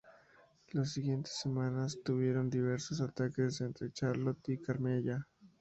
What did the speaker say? Las siguientes semanas, tuvieron diversos ataques entre Charlotte y Carmella.